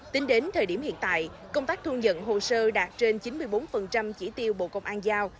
tính đến thời điểm hiện tại công tác thu nhận hồ sơ đạt trên chín mươi bốn chỉ tiêu bộ công an giao